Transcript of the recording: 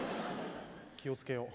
気をつけよ。